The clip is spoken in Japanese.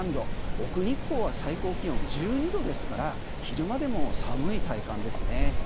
奥日光は最高気温１２度ですから昼間でも寒い体感ですね。